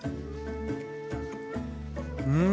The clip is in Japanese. うん！